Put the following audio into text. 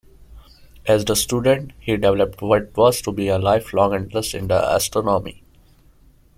As a student he developed what was to be a lifelong interest in astronomy.